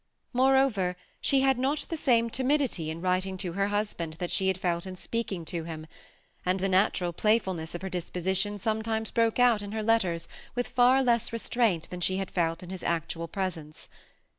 More over, she had not the same timidity in writing to her husband that she had felt in speaking to him ; and the natural playfulness of her disposition sometimes broke out in her letters with far less restraint than she had felt in his actual presence.